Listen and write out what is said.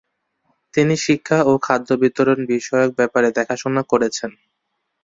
তিনি শিক্ষা ও খাদ্য বিতরণ বিষয়ক ব্যাপার দেখাশোনা করেছেন।